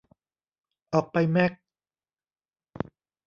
ออกไปแมค